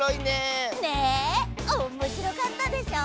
ねえおもしろかったでしょ？